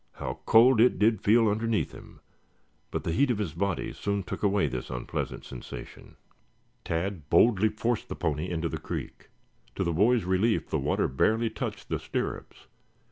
How cold it did feel underneath him, but the heat of his body soon took away this unpleasant sensation. Tad boldly forced the pony into the creek. To the boy's relief the water barely touched the stirrups.